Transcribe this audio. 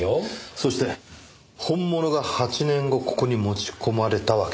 そして本物が８年後ここに持ち込まれたわけですね。